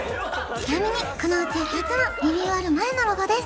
ちなみにこのうち２つはリニューアル前のロゴです